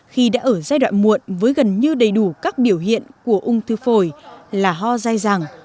khi đã ở giai đoạn muộn với gần như đầy đủ các biểu hiện của ung thư phổi là ho dài rằng